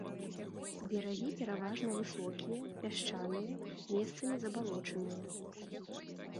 Берагі пераважна высокія, пясчаныя, месцамі забалочаныя.